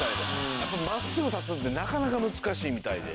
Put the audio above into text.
やっぱり真っすぐ立つってなかなか難しいみたいで。